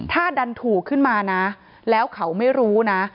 ถ้าดันถูกขึ้นมานะแล้วเขาไม่รู้นะ